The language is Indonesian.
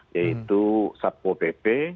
yaitu satpo pp